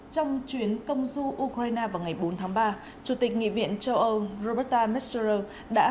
trong chuyến công du ukraine vào ngày bốn tháng ba chủ tịch nghị viện châu âu roberta metzler đã